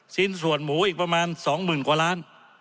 ชิ้นส่วนหมูอีกประมาณ๒๐๐๐กว่าล้าน